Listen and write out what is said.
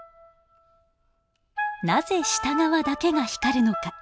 なぜ下側だけが光るのか。